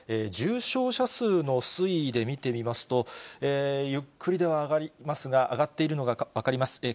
重症者数の推移で見てみますと、ゆっくりではありますが、上がっているのが分かります。